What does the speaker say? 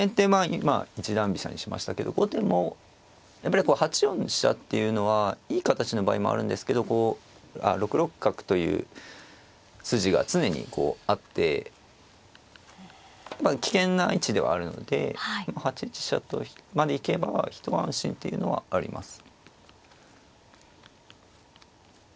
今一段飛車にしましたけど後手もやっぱりこう８四の飛車っていうのはいい形の場合もあるんですけどこう６六角という筋が常にあって危険な位置ではあるので８一飛車まで行けば一安心というのはあります。